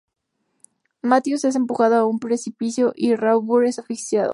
Matthews es empujado a un precipicio y Rayburn es asfixiado.